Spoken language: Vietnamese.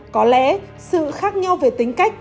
có lẽ sự khác nhau về tính cách